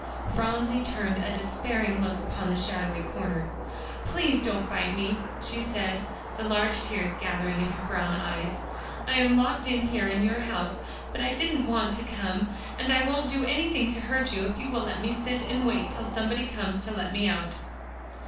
Phronsie turned a despairing look upon the shadowy corner. "Please don't bite me," she said, the large tears gathering in her brown eyes. "I am locked in here in your house; but I didn't want to come, and I won't do anything to hurt you if you'll let me sit down and wait till somebody comes to let me out."